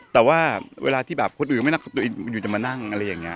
แต่ว่าเวลาที่แบบคนอื่นไม่นั่งอยู่จะมานั่งอะไรอย่างนี้